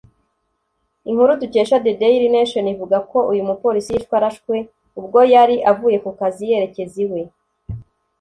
Inkuru dukesha The Daily Nation ivuga ko uyu mupolisi yishwe arashwe ubwo yari avuye ku kazi yerekeza iwe